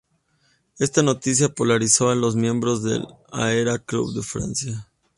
Esta noticia polarizó a los miembros del Aero Club de Francia.